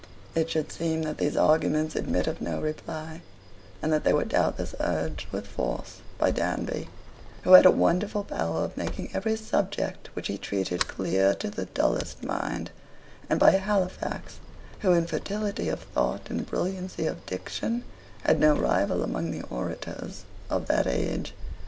It should seem that these arguments admit of no reply; and they were doubtless urged with force by Danby, who had a wonderful power of making every subject which he treated clear to the dullest mind, and by Halifax, who, in fertility of thought and brilliancy of diction, had no rival among the orators of that age.